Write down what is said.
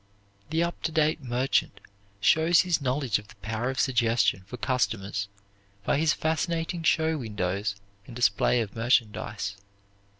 The up to date merchant shows his knowledge of the power of suggestion for customers by his fascinating show windows and display of merchandise.